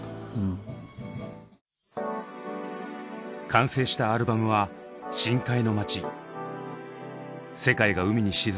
完成したアルバムは「深海の街」。